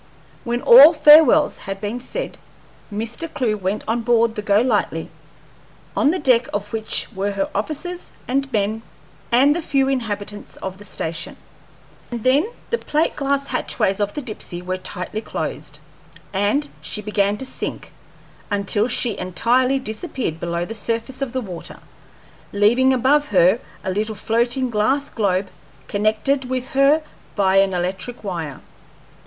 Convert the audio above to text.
When all farewells had been said, Mr. Clewe went on board the Go Lightly, on the deck of which were her officers and men and the few inhabitants of the station, and then the plate glass hatchways of the Dipsey were tightly closed, and she began to sink, until she entirely disappeared below the surface of the water, leaving above her a little floating glass globe, connected with her by an electric wire.